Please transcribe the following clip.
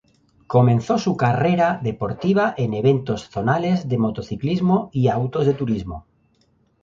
Comenzó su carrera deportiva en eventos zonales de motociclismo y autos de turismo.